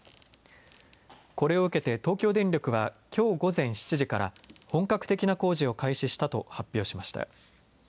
これを受けて東京電力はきょう午前７時から本格的な工事を開始したと発表しました。